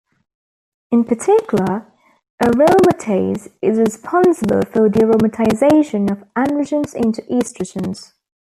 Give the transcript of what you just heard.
In particular, aromatase is responsible for the aromatization of androgens into estrogens.